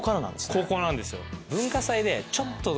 高校なんですよ。